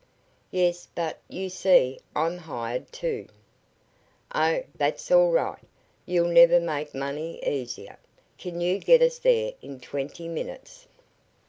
"Yes, but, you see, I'm hired to " "Oh, that's all right! You'll never make money easier. Can you get us there in twenty minutes?"